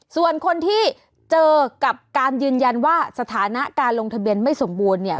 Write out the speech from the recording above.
ส่วนคนที่เจอกับการยืนยันว่าสถานะการลงทะเบียนไม่สมบูรณ์เนี่ย